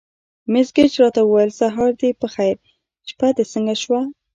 مس ګېج راته وویل: سهار دې په خیر، شپه دې څنګه شوه؟